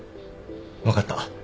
分かった。